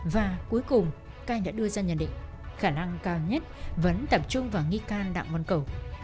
và cuối cùng ca đã đưa ra nhận định khả năng cao nhất vẫn tập trung vào nghi can đặng văn cầu